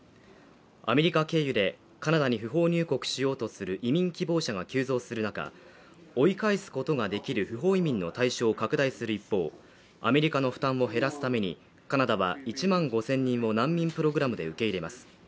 アメリカ経由でカナダに不法入国しようとする移民希望者が急増する中、追い返すことができる不法移民の対象を拡大する一方、アメリカの負担を減らすために、カナダは１万５０００人を難民プログラムで受け入れます。